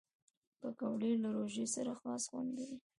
پکورې له روژې سره خاص خوند لري